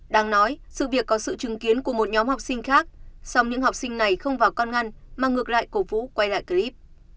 đáng nói sự việc có sự chứng kiến của một nhóm học sinh khác song những học sinh này không vào con ngăn mà ngược lại cổ vũ quay lại clip